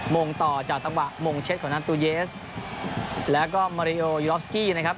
งงต่อจากจังหวะมงเช็ดของนันตูเยสแล้วก็มาริโอยูออฟสกี้นะครับ